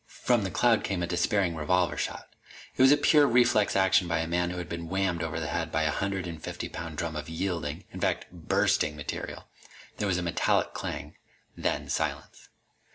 From the cloud came a despairing revolver shot. It was pure reflex action by a man who had been whammed over the head by a hundred and fifty pound drum of yielding in fact bursting material. There was a metallic clang. Then silence.